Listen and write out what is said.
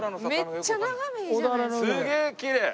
すげえきれい！